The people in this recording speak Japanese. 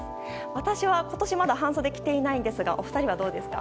私は、まだ今年半袖を着ていないんですがお二人はどうですか？